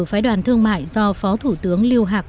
phái đoàn thương mại do phó thủ tướng liu hak